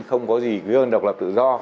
không có gì hơn độc lập tự do